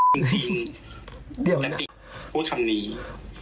เห็นจริงกะติกพูดคำนี้เดี๋ยวนะ